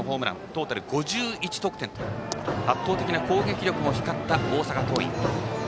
トータル５１得点と圧倒的な攻撃力も光った大阪桐蔭。